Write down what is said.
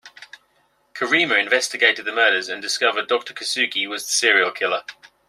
Kirima investigated the murders, and discovered Doctor Kisugi was the serial killer.